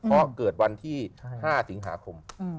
เพราะเกิดวันที่๕สิงหาคม